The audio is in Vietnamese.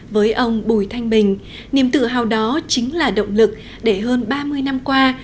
với ông bùi thanh bình niềm tự hào đó chính là động lực để hơn ba mươi năm qua